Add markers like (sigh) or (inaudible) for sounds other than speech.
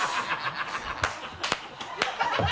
ハハハ (laughs)